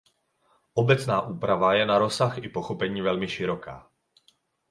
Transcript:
Obecná úprava je na rozsah i pochopení velmi široká.